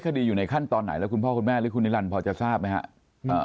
คดีอยู่ในขั้นตอนไหนแล้วคุณพ่อคุณแม่หรือคุณนิรันดิพอจะทราบไหมครับ